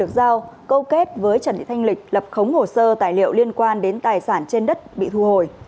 giao câu kết với trần thị thanh lịch lập khống hồ sơ tài liệu liên quan đến tài sản trên đất bị thu hồi